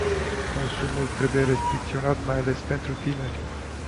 Consumul trebuie restricționat mai ales pentru tineri.